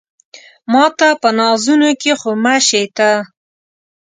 ماته په نازونو کې خو مه شې ته